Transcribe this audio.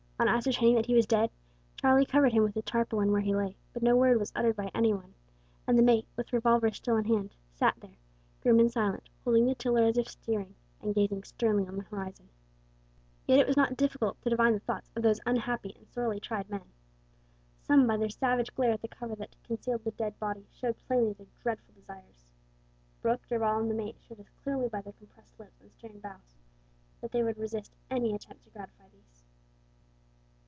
On ascertaining that he was dead Charlie covered him with a tarpaulin where he lay, but no word was uttered by any one, and the mate, with revolver still in hand, sat there grim and silent holding the tiller as if steering, and gazing sternly on the horizon. Yet it was not difficult to divine the thoughts of those unhappy and sorely tried men. Some by their savage glare at the cover that concealed the dead body showed plainly their dreadful desires. Brooke, Darvall, and the mate showed as clearly by their compressed lips and stern brows that they would resist any attempt to gratify these.